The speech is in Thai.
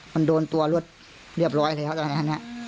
มันโดนตัวรถเรียบร้อยแล้วตอนนั้น